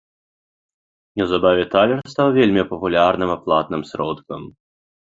Неўзабаве талер стаў вельмі папулярным аплатным сродкам.